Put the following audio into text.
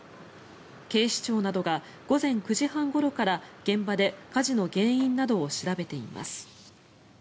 警視庁などが午前９時半ごろから現場で火事の原因などを調べています。